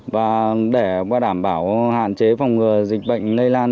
và để đảm bảo hạn chế phòng ngừa dịch bệnh lây lan